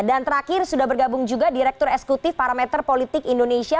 terakhir sudah bergabung juga direktur eksekutif parameter politik indonesia